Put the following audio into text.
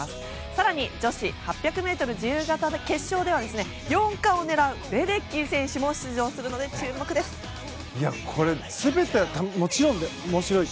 更に女子８００ｍ自由形の決勝では４冠を狙うレデッキー選手も出場するので全て、もちろん面白い。